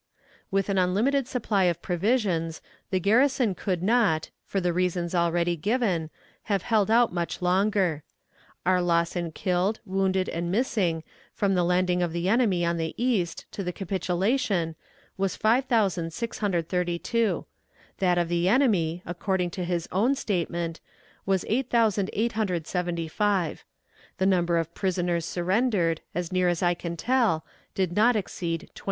With an unlimited supply of provisions the garrison could not, for the reasons already given, have held out much longer. Our loss in killed, wounded, and missing, from the landing of the enemy on the east to the capitulation, was 5,632; that of the enemy, according to his own statement, was 8,875. The number of prisoners surrendered, as near as I can tell, did not exceed 28,000.